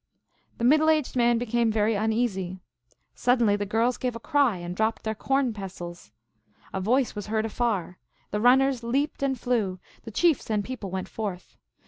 The middle aged man became very uneasy. Sud denly the girls gave a cry, and dropped their corn pssiles. A voice was heard afar ; the runners leaped and flew, tLo chiefs and people went forth.